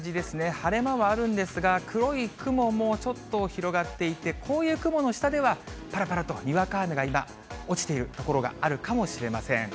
晴れ間はあるんですが、黒い雲もちょっと、広がっていて、こういう雲の下では、ぱらぱらとにわか雨が今、落ちている所があるかもしれません。